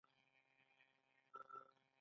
د افغانستان مرغان ډیر دي